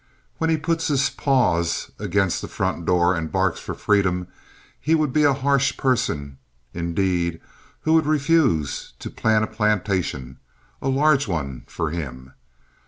When he puts his paws against the front door and barks for freedom he would be a harsh person indeed who would refuse to plan a plantation, a large one, for him.